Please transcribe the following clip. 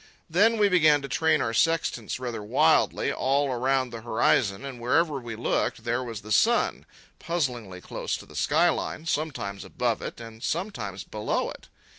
Then we began to train our sextants rather wildly all around the horizon, and wherever we looked, there was the sun, puzzlingly close to the sky line, sometimes above it and sometimes below it.